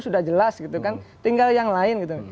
sudah jelas gitu kan tinggal yang lain gitu